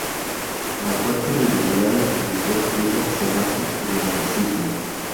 La fuerte rivalidad entre los dos clubes se basa en el racismo.